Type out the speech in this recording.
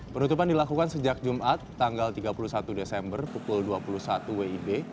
penutupan dilakukan sejak jumat tanggal tiga puluh satu desember pukul dua puluh satu wib